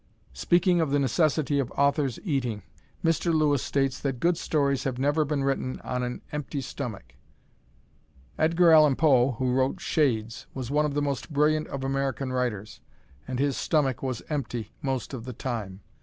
Speaking of the necessity of authors eating, Mr. Lewis states that good stories have never been written on an empty stomach. Edgar Allan Poe who wrote "Shades" was one of the most brilliant of American writers, and his stomach was empty most of the time.